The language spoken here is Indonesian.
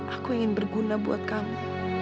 aku ingin berguna buat kamu